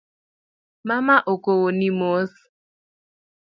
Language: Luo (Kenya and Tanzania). Mama okowoni mos.